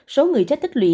số người chết thích lũy